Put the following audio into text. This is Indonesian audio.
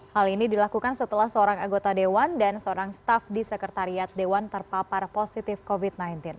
hal ini dilakukan setelah seorang anggota dewan dan seorang staff di sekretariat dewan terpapar positif covid sembilan belas